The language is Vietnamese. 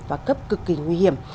và cấp cực kỳ nguy hiểm